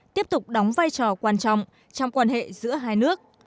tiếp tục đóng vai trò quan trọng trong quan hệ giữa hai nước